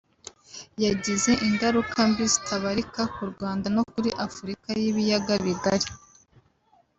yagize ingaruka mbi zitabarika ku Rwanda no kuri Afurika y’ibiyaga bigari